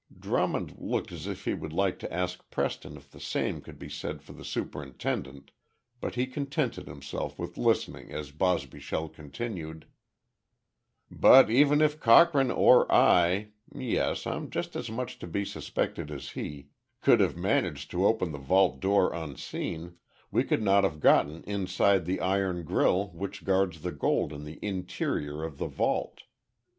Drummond looked as if he would like to ask Preston if the same could be said for the superintendent, but he contented himself with listening as Bosbyshell continued: "But even if Cochrane or I yes, I'm just as much to be suspected as he could have managed to open the vault door unseen, we could not have gotten inside the iron grille which guards the gold in the interior of the vault.